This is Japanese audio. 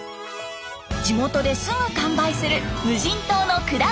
地元ですぐ完売する無人島の果物とは？